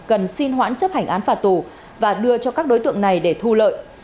cần xin hoãn chấp hành án phạt tù và đưa cho các đối tượng này để thu lợi